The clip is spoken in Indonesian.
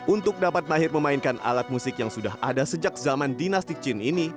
untuk dapat mahir memainkan alat musik yang sudah ada sejak zaman dinasti chin ini